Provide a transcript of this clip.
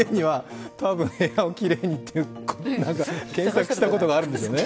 部屋をきれいにというのは、多分、検索したことがあるんでしょうね。